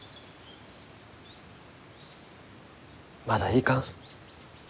まだいかん。